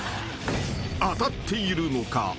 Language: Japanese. ［当たっているのか？］